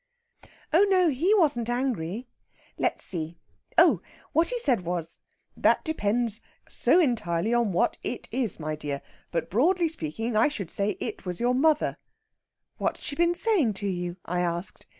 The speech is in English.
"Oh no, he wasn't angry. Let's see ... oh!... what he said was, 'That depends so entirely on what it is, my dear. But, broadly speaking, I should say it was your mother.' 'What has she been saying to you?' I asked.